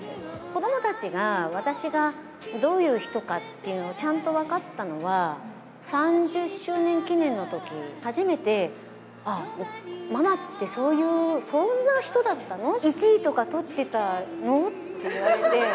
子どもたちが私がどういう人かっていうのをちゃんと分かったのは、３０周年記念のとき、初めてあっ、ママってそういう、そんな人だったの？